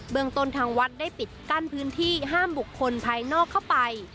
เมืองต้นทางวัดได้ปิดกั้นพื้นที่ห้ามบุคคลภายนอกเข้าไป